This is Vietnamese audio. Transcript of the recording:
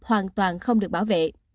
hoàn toàn không được bảo vệ